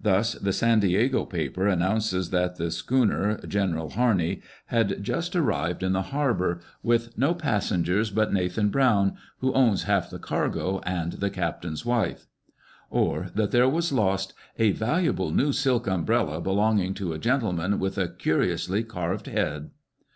Thus, the San Diego paper announces that the schooner, General Harney, had just arrived in the harbour, with "no passengers but Nathan Brown, who owns half the cargo and the captain's wife," or that there was lost " a valuable new silk umbrella belonging to a gentleman with a curiously carved head."